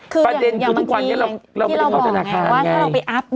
คืออย่างบางทีที่เราบอกว่าถ้าเราไปอัพ